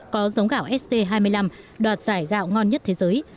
có giống gạo st hai mươi năm đoạt giải gạo ngon nhất thế giới